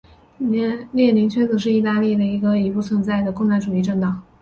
列宁圈子是意大利的一个已不存在的共产主义政党。